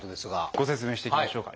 ご説明していきましょうか。